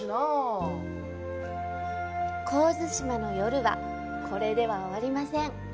神津島の夜はこれでは終わりません。